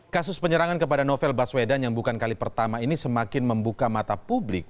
kasus penyerangan kepada novel baswedan yang bukan kali pertama ini semakin membuka mata publik